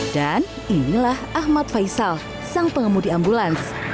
dan inilah ahmad faisal sang pengemudi ambulans